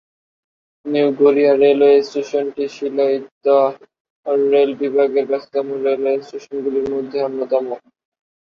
New Garia railway স্টেশনটি Sealdah rail বিভাগের ব্যস্ততম রেলওয়ে স্টেশনগুলির মধ্যে অন্যতম।